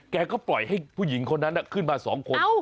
ก็ปล่อยให้ผู้หญิงคนนั้นขึ้นมา๒คน